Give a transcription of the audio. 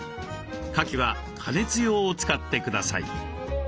かきは加熱用を使ってください。